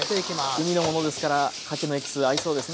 海のものですからかきのエキス合いそうですね